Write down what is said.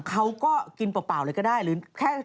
เขาก็กินเปล่าเลยเวลาได้